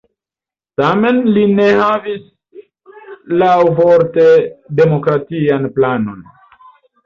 Tamen li ne havis laŭvorte demokratian planon.